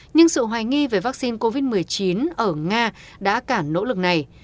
nhưng sự hoài nghi về vaccine covid một mươi chín ở nga đã cả nỗ lực này